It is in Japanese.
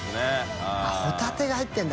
あっ。